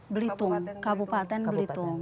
belitung kabupaten belitung